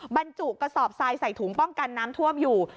บรรจุกระสอบทรายใส่ถุงป้องกันน้ำท่วมอยู่